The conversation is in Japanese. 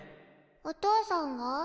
お父さんは？